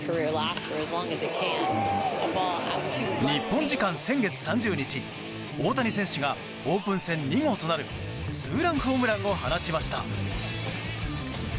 日本時間先月３０日大谷選手がオープン戦２号となるツーランホームランを放ちました。